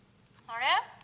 あれ？